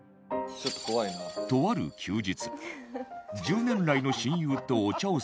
とある休日